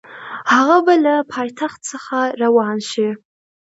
هغه به له پایتخت څخه روان شي.